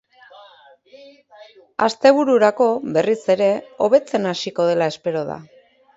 Astebururako, berriz ere, hobetzen hasiko dela espero da.